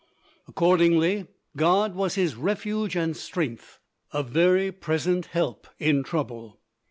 Accordingly, God was his "refuge and strength, a very present help in trouble."